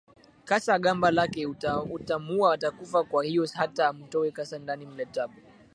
kasa gamba lake utamuua atakufa kwa hiyo hata umtoe kasa ndani mle tabu